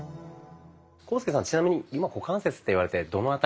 浩介さんちなみに今股関節って言われてどの辺りだと思いますか？